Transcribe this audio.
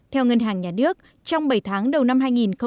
theo ngân hàng nhà nước trong bảy tháng đầu năm hai nghìn một mươi chín